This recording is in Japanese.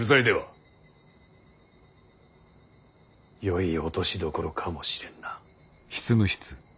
よい落としどころかもしれんな。